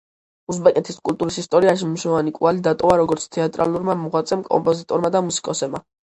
უზბეკეთის კულტურის ისტორიაში მნიშვნელოვანი კვალი დატოვა როგორც თეატრალურმა მოღვაწემ, კომპოზიტორმა და მუსიკოსმა.